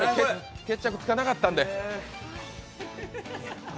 決着つかなかったんで。